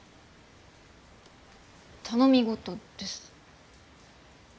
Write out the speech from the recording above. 頼み事です。